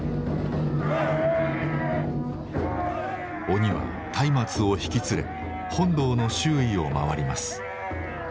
鬼は松明を引き連れ本堂の周囲を回ります。